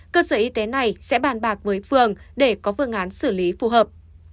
cơ sở y tế này sẽ bàn bạc với phường để có phương án xử lý phù hợp